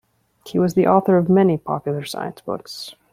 He was the author of many popular science books.